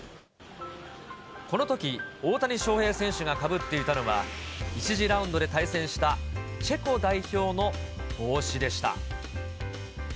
このとき、大谷翔平選手がかぶっていたのは、１次ラウンドで対戦したチェコ代表の帽子でした。